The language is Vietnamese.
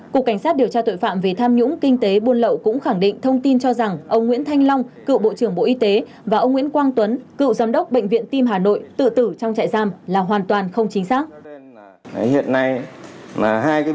cục cảnh sát điều tra tội phạm về tham nhũng kinh tế buôn lậu cũng khẳng định thông tin cho rằng ông nguyễn thanh long cựu bộ trưởng bộ y tế và ông nguyễn quang tuấn cựu giám đốc bệnh viện tim hà nội tự tử trong trại giam là hoàn toàn không chính xác